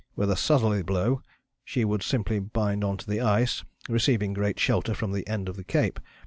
With a southerly blow she would simply bind on to the ice, receiving great shelter from the end of the Cape.